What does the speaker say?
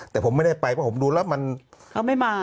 แต่ผมไม่ได้ไปเพราะผมดูแล้วมันเขาไม่มา